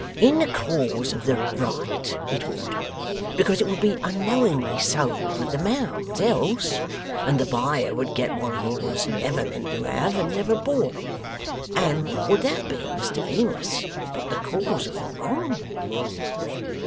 'In the cause of the right it would. Because it would be unknowingly sold with the mounds else, and the buyer would get what he was never meant to have, and never bought. And what would that be, Mr Venus, but the cause of the wrong?